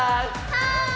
はい！